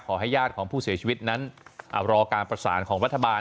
ขอให้ยาดของผู้เสียชีวิตนั้นรอการประสานของวัฒนบาล